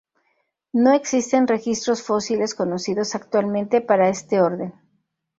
No existen registros fósiles conocidos actualmente para este orden.